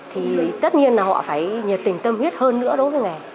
thì tất nhiên là họ phải nhiệt tình tâm huyết hơn nữa đối với nghề